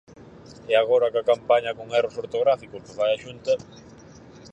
E agora coa campaña con erros ortográficos que fai a Xunta...